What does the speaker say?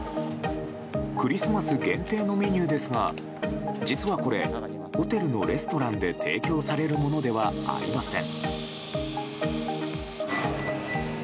クリスマス限定のメニューですが実はこれホテルのレストランで提供されるものではありません。